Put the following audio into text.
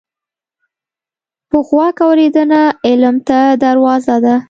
په غوږ اورېدنه علم ته دروازه ده